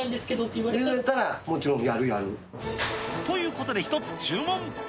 言われたら、もちろんやるやということで１つ注文。